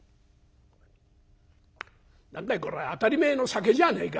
「何だいこりゃ当たり前の酒じゃねえか」。